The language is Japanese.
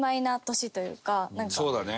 そうだね。